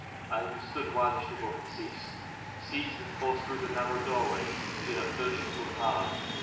I understood why the struggle had ceased. Seized and forced through the narrow doorway, she had at first struggled hard.